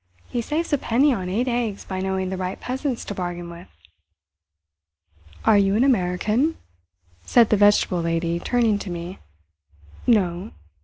He saves a penny on eight eggs by knowing the right peasants to bargain with." "Are you an American?" said the Vegetable Lady, turning to me. "No."